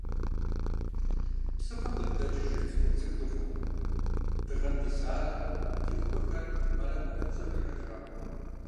Псыхъуэм дыкъикӏыжырт, зы гуп цӏыкӏу дыхъуу, дыгъэм дисарэ, ди ӏупэхэр мэракӏуэ фӏыцӏэм ириӏэжауэ.